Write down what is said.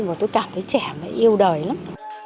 và tôi cảm thấy trẻ mà yêu đời lắm